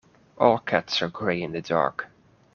All cats are grey in the dark.